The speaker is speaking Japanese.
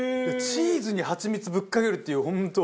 チーズにハチミツぶっかけるっていう本当。